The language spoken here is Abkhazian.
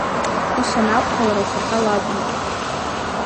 Ус анакәха, лара лхаҭа лакәын!